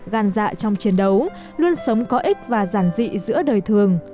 gàn dạ trong chiến đấu luôn sống có ích và giản dị giữa đời thường